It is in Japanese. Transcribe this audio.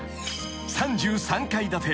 ［３３階建て。